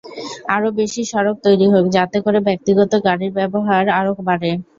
আরও বেশি সড়ক তৈরি হোক, যাতে করে ব্যক্তিগত গাড়ির ব্যবহার আরও বাড়ে।